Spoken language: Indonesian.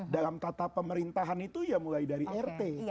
dalam tata pemerintahan itu ya mulai dari rt